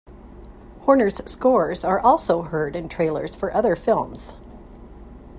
Horner's scores are also heard in trailers for other films.